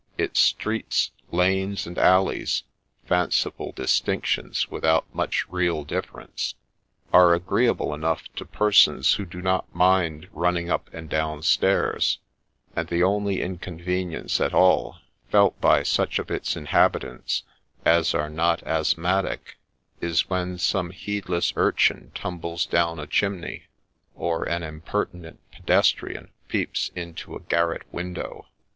Its streets, lanes, and alleys, — fanciful distinctions without much real difference, — are agreeable enough to persons who do not mind running up and down stairs ; and the only inconvenience at all felt by such of its inhabitants as are not asthmatic is when some heedless urchin tumbles down a chimney, or an impertinent pedestrian peeps into a garret window.